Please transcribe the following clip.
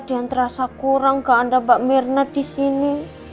ada yang terasa kurang ke anda mbak mirna di sini